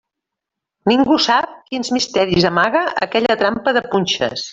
Ningú sap quins misteris amaga aquella trampa de punxes.